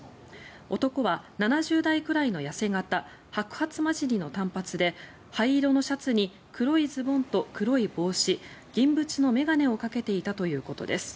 男は７０代くらいの痩せ形白髪交じりの短髪で灰色のシャツに黒いズボンと黒い帽子銀縁の眼鏡をかけていたということです。